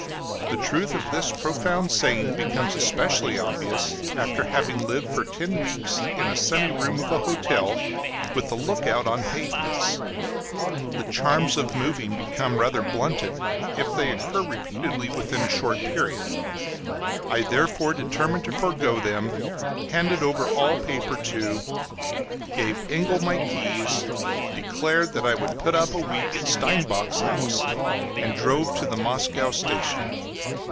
The truth of this profound saying becomes especially obvious after having lived for ten weeks in a sunny room of a hotel, with the look out on pavements. The charms of moving become rather blunted if they occur repeatedly within a short period; I therefore determined to forego them, handed over all paper to , gave Engel my keys, declared that I would put up in a week at Stenbock's house, and drove to the Moscow station.